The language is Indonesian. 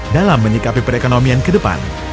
dalam menyikapi perekonomian ke depan